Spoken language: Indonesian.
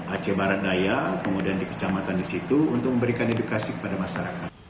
aceh barat daya kemudian di kecamatan di situ untuk memberikan edukasi kepada masyarakat